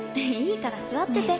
いいから座ってて。